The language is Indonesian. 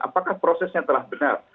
apakah prosesnya telah benar